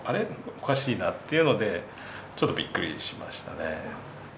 おかしいなっていうので、ちょっとびっくりしましたね。